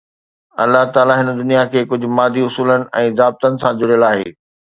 الله تعاليٰ هن دنيا کي ڪجهه مادي اصولن ۽ ضابطن سان جڙيل آهي